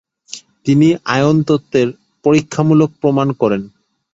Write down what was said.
তিনি আয়নতত্ত্বের পরীক্ষামূলক প্রমাণ করেন।